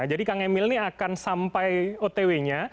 jadi kang emil ini akan sampai otw nya